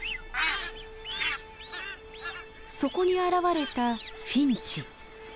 そこに現れたフィンチ。